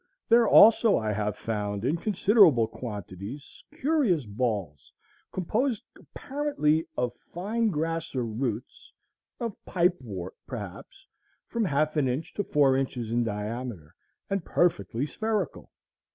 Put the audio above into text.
There also I have found, in considerable quantities, curious balls, composed apparently of fine grass or roots, of pipewort perhaps, from half an inch to four inches in diameter, and perfectly spherical.